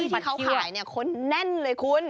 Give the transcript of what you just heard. ที่เขาขายคนแน่นเลยคุณ